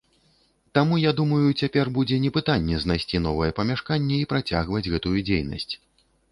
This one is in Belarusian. Таму, я думаю, цяпер будзе не пытанне, знайсці новае памяшканне і працягваць гэтую дзейнасць.